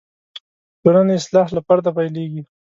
د ټولنې اصلاح له فرده پیلېږي.